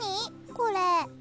これ。